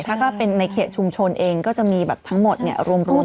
ถ้าเป็นในเขตชุมชนเองก็จะมีแบบทั้งหมดเนี่ยรวมเป็นอยู่แล้ว